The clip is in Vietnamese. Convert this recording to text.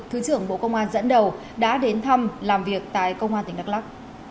thứ trưởng bộ công an dẫn đầu đã đến thăm làm việc tại công an tỉnh đắk lắc